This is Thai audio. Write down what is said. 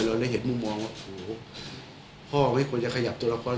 เราได้เห็นมุมมองว่าโอ้โหพ่อไม่ควรจะขยับตัวละคร